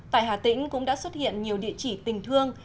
tại hà tĩnh cũng đã xuất hiện nhiều địa chỉ tình thương